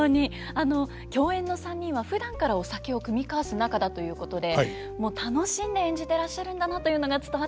あの共演の３人はふだんからお酒を酌み交わす仲だということでもう楽しんで演じてらっしゃるんだなというのが伝わってきましたよね。